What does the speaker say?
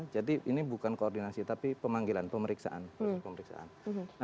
jadi ini bukan koordinasi tapi pemanggilan pemeriksaan